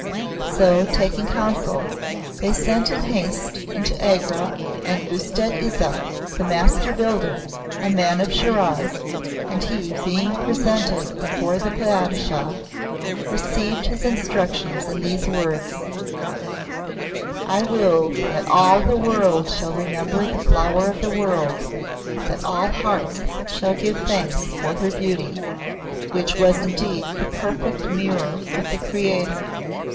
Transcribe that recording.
So, taking counsel, they sent in haste into Agra for Ustad Isa, the Master Builder, a man of Shiraz; and he, being presented before the Padishah, received his instructions in these words: "I will that all the world shall remember the Flower of the World, that all hearts shall give thanks for her beauty, which was indeed the perfect Mirror of the Creator.